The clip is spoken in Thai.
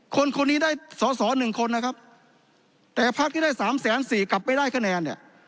คนคนนี้ได้สอสอหนึ่งคนนะครับแต่พักที่ได้สามแสนสี่กลับไม่ได้คะแนนเนี่ย